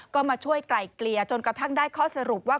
ก็มาช่วยไกลเกลี่ยจนกระทั่งได้ข้อสรุปว่า